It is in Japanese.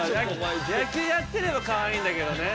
野球やってればかわいいんだけどね